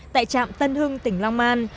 tại trạm tân hưng tỉnh long an